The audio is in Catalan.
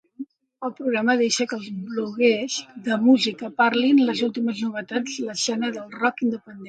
El programa deixa que els bloguers de música parlin de les últimes novetats de l'escena del rock independent.